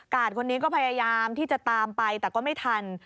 คนนี้ก็พยายามที่จะตามไปแต่ก็ไม่ทัน